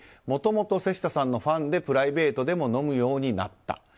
もともと瀬下さんのファンでプライベートでも飲むようになった。